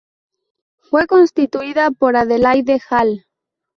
Fue sustituida por Adelaide Hall.